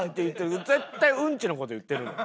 絶対うんちの事言ってるんだよ